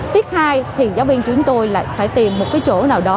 tiết hai thì giáo viên chúng tôi lại phải tìm một cái chỗ nào đó